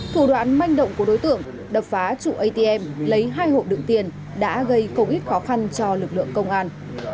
thủ đoạn manh động của đối tượng đập phá chủ atm lấy hai hộ đựng tiền đã gây cầu ích khó khăn cho lực lượng công an